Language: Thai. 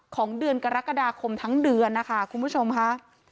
ของเดือนกรกฎาคมทั้งเดือนนะคะคุณผู้ชมค่ะ